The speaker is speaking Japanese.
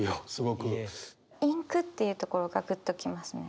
インクっていうところがグッと来ますね。